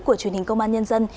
của truyền hình công an nhân dân